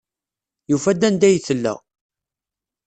Yufa-d anda ay tella.